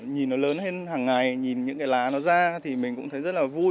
nhìn nó lớn hơn hàng ngày nhìn những cái lá nó ra thì mình cũng thấy rất là vui